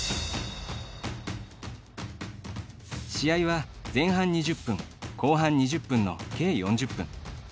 試合は前半２０分後半２０分の計４０分。